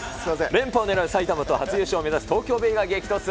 連覇を狙う埼玉と、初優勝を目指す東京ベイが激突。